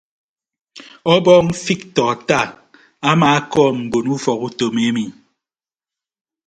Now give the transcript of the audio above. Ọbọọñ fiktọ attah amaakọọm mbon ufọk utom emi.